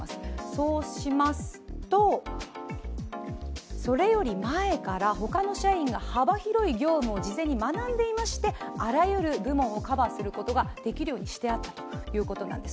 そうしますとそれより前から幅広い業務を事前に学んでいましてあらゆる部門をカバーすることができるようにしてあったということなんです。